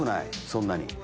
そんなに。